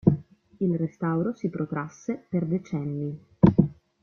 Il restauro si protrasse per decenni.